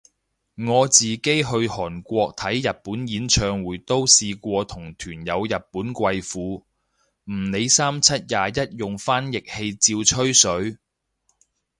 我自己去韓國睇演唱會都試過同團有日本貴婦，唔理三七廿一用翻譯器照吹水